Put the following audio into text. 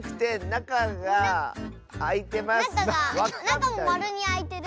なかがなかもまるにあいてる。